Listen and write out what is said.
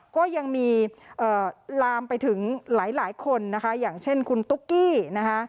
ก็ยังมีลามไปถึงหลายคนนะคะอย่างเช่นคุณตุ๊กกี้นะคะ